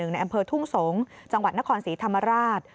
ในอำเภอทุ่งสงศ์จังหวัดนครศรีธรรมราช